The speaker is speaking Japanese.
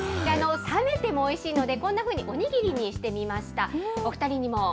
冷めてもおいしいので、こんなふうにお握りにしてみました。